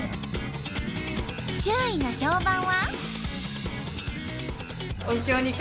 周囲の評判は？